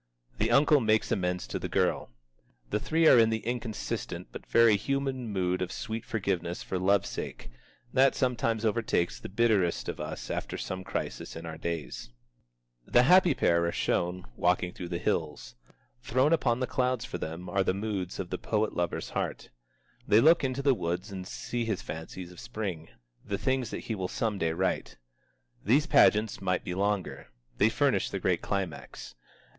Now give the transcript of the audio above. The uncle makes amends to the girl. The three are in the inconsistent but very human mood of sweet forgiveness for love's sake, that sometimes overtakes the bitterest of us after some crisis in our days. The happy pair are shown, walking through the hills. Thrown upon the clouds for them are the moods of the poet lover's heart. They look into the woods and see his fancies of Spring, the things that he will some day write. These pageants might be longer. They furnish the great climax.